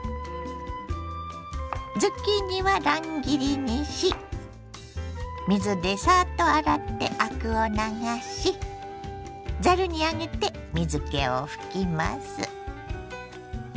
ズッキーニは乱切りにし水でサッと洗ってアクを流しざるに上げて水けを拭きます。